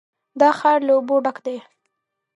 دا ښار له اوبو ډک دی.